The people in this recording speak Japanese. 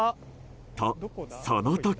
と、その時。